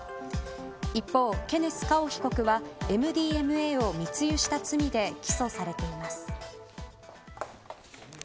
一方、ケネス・カオ被告はＭＤＭＡを密輸した罪で起訴されています。